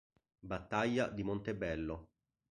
Battaglia di Montebello